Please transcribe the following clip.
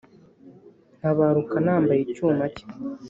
Ntabaruka nambaye icyuma cye